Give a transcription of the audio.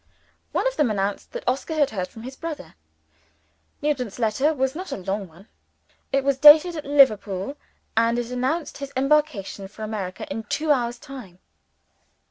One of them announced that Oscar had heard from his brother. Nugent's letter was not a long one. It was dated at Liverpool, and it announced his embarkation for America in two hours' time.